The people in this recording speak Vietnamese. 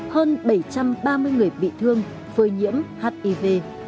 hơn bảy trăm ba mươi người bị thương phơi nhiễm hiv